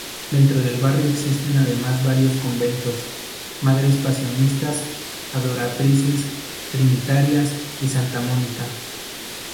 Dentro del barrio existen además varios conventos: Madres Pasionistas, Adoratrices, Trinitarias y Santa Mónica.